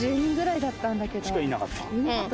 ９、しかいなかった？